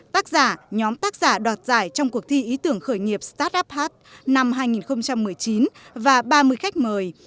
tác giả nhóm tác giả đọt giải trong cuộc thi ý tưởng khởi nghiệp startup hub năm hai nghìn một mươi chín và ba mươi khách mời